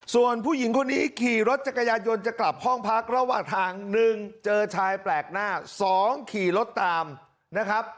ส่วนผู้หญิงคนนี้ขี่รถจักรยานยนต์จะกลับห้องพักระหว่างทาง๑เจอชายแปลกหน้า๒ขี่รถตามนะครับ